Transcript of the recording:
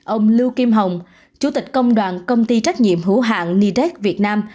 ông lưu kim hồng chủ tịch công đoàn công ty trách nhiệm hữu hạng nidet việt nam